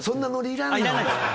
いらないですか。